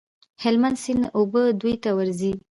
د هلمند سیند اوبه دوی ته ورځي.